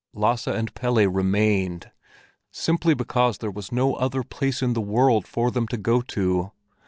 Lasse and Pelle remained, simply because there was no other place in the world for them to go to.